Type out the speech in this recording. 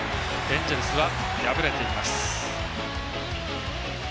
エンジェルスは敗れています。